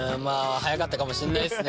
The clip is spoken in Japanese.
早かったかもしれないですね。